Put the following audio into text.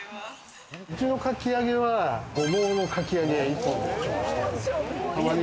うちのかき揚げはごぼうのかき揚げ一本です。